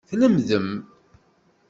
Tlemdem.